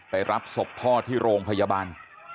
รับศพพ่อที่โรงพยาบาล